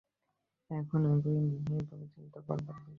এখন এ-সবই বিশেষভাবে চিন্তা করবার বিষয়।